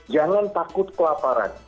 jangan takut kelaparan